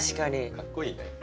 かっこいいね。